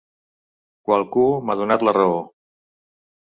Qualcú m'ha donat la raó.